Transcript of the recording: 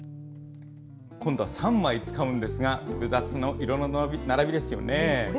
今度は３枚使うんですが、複雑な色の並びですよね。